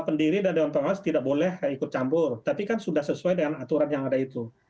pendiri dan dewan pengawas tidak boleh ikut campur tapi kan sudah sesuai dengan aturan yang ada itu